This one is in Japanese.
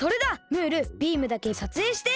ムールビームだけさつえいして。